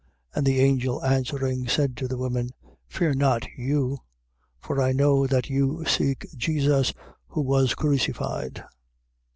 28:5. And the angel answering, said to the women: Fear not you: for I know that you seek Jesus who was crucified.